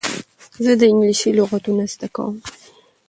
زه د انګلېسي لغتونه زده کوم.